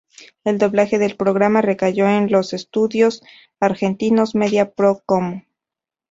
El doblaje del programa recayó en los estudios argentinos Media Pro Com.